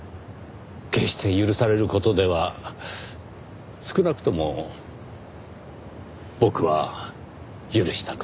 決して許される事では少なくとも僕は許したくありません。